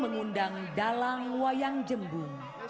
mengundang dalang wayang jembung